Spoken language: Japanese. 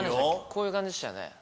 こういう感じでしたよね。